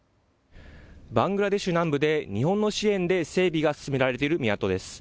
バングラデシュ南部で日本の支援で整備が進められている港です。